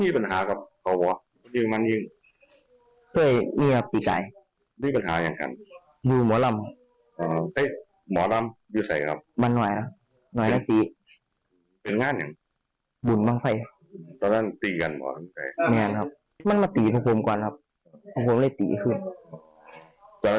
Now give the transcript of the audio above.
เพราะหลังจากนั้นถ้าเขาได้กลับมาหาเรื่องมีใครว่ะ